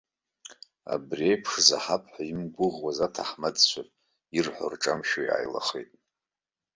Абри еиԥш заҳап ҳәа имгәыӷуаз аҭаҳмадцәа, ирҳәо рҿамшәо иааилахеит.